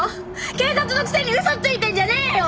警察のくせに嘘ついてんじゃねえよ！